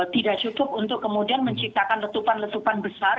tidak cukup untuk kemudian menciptakan letupan letupan besar